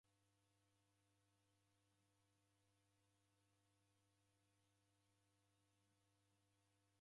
Bengi iyo yafunya mikopo ya zoghori ra shwaw'ori.